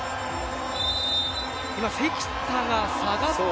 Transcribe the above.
今、関田が下がって。